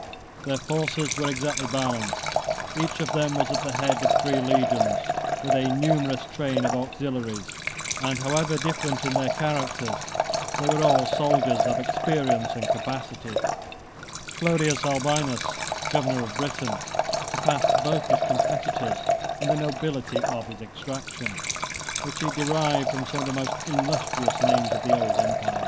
Their forces were exactly balanced. Each of them was at the head of three legions, 15 with a numerous train of auxiliaries; and however different in their characters, they were all soldiers of experience and capacity. 15 (return) [ Dion, l. lxxiii. p. 1235.] Clodius Albinus, governor of Britain, surpassed both his competitors in the nobility of his extraction, which he derived from some of the most illustrious names of the old republic.